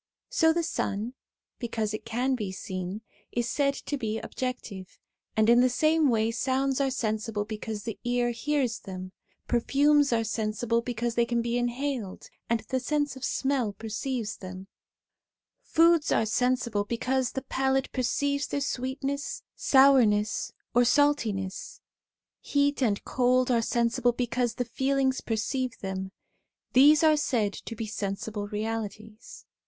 So the sun, because it can be seen, is said to be objective ; and in the same way sounds are sensible because the ear hears them; perfumes are sensible because they can be inhaled and the sense of smell perceives them ; foods are sensible because the palate perceives their sweetness, sourness, or saltness ; heat and cold are sensible because the feelings perceive them. These are said to be sensible realities.